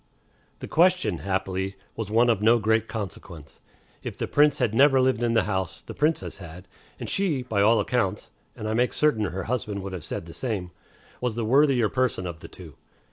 The question, happily, was one of no great consequence. If the Prince had never lived in the house, the Princess had; and she, by all accounts (and I make certain her husband would have said the same), was the worthier person of the two.